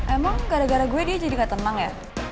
emang gara gara gue dia jadi gak tenang ya